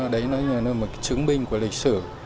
đấy là một chứng minh của lịch sử